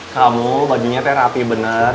kamu bajunya terapi bener